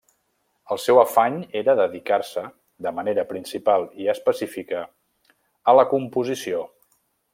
El seu afany era dedicar-se, de manera principal i específica, a la composició.